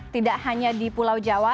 tidak hanya di pulau jawa